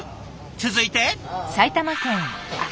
続いて。